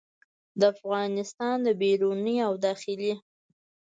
د افغانستان د بیروني او داخلي